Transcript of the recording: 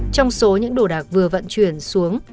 trong số những đồ đạc vừa vận chuyển xuống